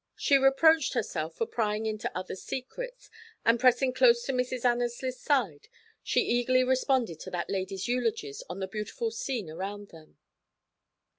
She reproached herself for prying into others' secrets, and pressing close to Mrs. Annesley's side, she eagerly responded to that lady's eulogies of the beautiful scene around them.